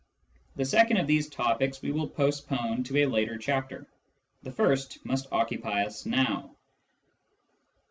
The second of these topics we will postpone to a later chapter ; the first must occupy us now.